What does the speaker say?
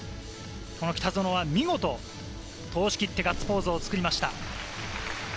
北園は見事、通し切ってガッツポーズを作りました。